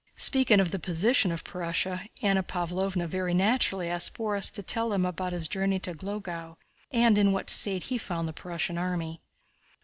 Speaking of the position of Prussia, Anna Pávlovna very naturally asked Borís to tell them about his journey to Glogau and in what state he found the Prussian army.